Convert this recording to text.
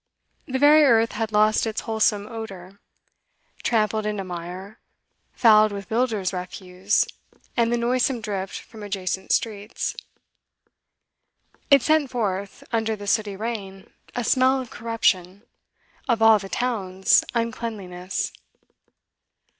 The very earth had lost its wholesome odour; trampled into mire, fouled with builders' refuse and the noisome drift from adjacent streets, it sent forth, under the sooty rain, a smell of corruption, of all the town's uncleanliness.